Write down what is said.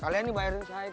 kalian dibayaran sayul